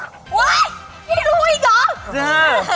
พี่รู้อีกหรอ